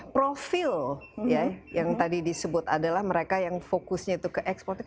profil ya yang tadi disebut adalah mereka yang fokusnya itu ke ekspor